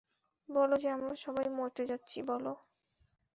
বলো যে আমরা সবাই মরতে যাচ্ছি, বলো!